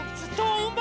うん！